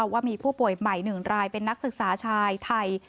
ว่ามีผู้ป่วยใหม่๑รายเป็นนักศึกษาชายไทย